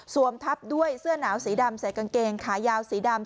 ทับด้วยเสื้อหนาวสีดำใส่กางเกงขายาวสีดำ